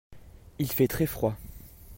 Il fait très froid.